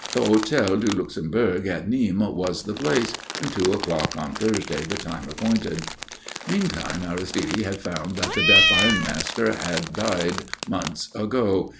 The Hôtel du Luxembourg at Nîmes was the place, and two o'clock on Thursday the time appointed. Meantime Aristide had found that the deaf ironmaster had died months ago.